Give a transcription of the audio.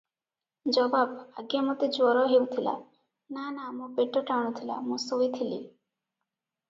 ଜବାବ - ଆଜ୍ଞା ମୋତେ ଜ୍ୱର ହୋଇଥିଲା - ନା ନା ମୋ ପେଟ ଟାଣୁ ଥିଲା, ମୁଁ ଶୋଇଥିଲି ।